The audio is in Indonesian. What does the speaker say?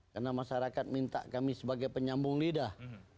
karena masyarakat minta kami sebagai penyambung lidah